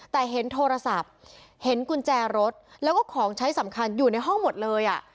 แต่เห็นโทรศัพท์เห็นกุญแจรถแล้วก็ของใช้สำคัญอยู่ในห้องหมดเลยอ่ะ